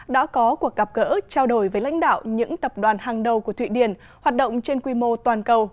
đã có cuộc gặp gỡ trao đổi với lãnh đạo những tập đoàn hàng đầu của thụy điển hoạt động trên quy mô toàn cầu